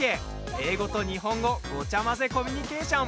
英語と日本語ごちゃ混ぜコミュニケーション。